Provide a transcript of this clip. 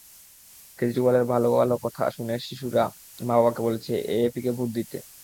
কেজরিওয়ালের ভালো ভালো কথা শুনে শিশুরা মা-বাবাকে বলছে এএপিকে ভোট দিতে।